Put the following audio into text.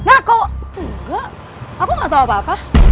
aku gak tau apa apa